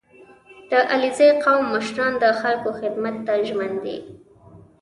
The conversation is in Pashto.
• د علیزي قوم مشران د خلکو خدمت ته ژمن دي.